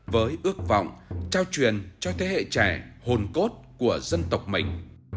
với ước vọng trao truyền cho thế hệ trẻ hồn cốt của dân tộc mình